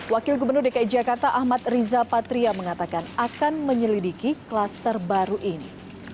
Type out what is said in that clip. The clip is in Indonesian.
wakil gubernur dki jakarta ahmad riza patria mengatakan akan menyelidiki kluster baru ini